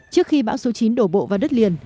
trước khi bão số chín đổ bộ vào đất liền